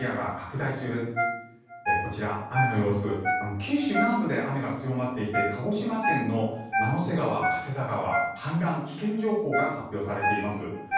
九州南部で雨が強まっていて鹿児島県の万之瀬川、加世田川氾濫危険情報が発表されています。